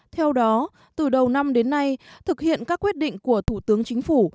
theo đó từ đầu năm đến nay thực hiện các quyết định của thủ tướng chính phủ